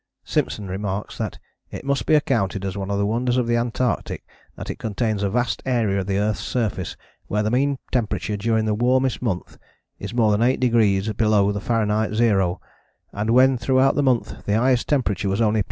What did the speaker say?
Simpson remarks that "it must be accounted as one of the wonders of the Antarctic that it contains a vast area of the earth's surface where the mean temperature during the warmest month is more than 8° below the Fahrenheit zero, and when throughout the month the highest temperature was only +5.